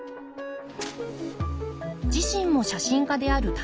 自身も写真家である棚井さん。